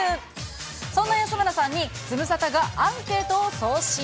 そんな安村さんに、ズムサタがアンケートを送信。